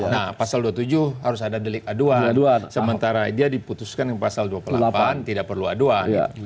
nah pasal dua puluh tujuh harus ada delik aduan sementara dia diputuskan pasal dua puluh delapan tidak perlu aduan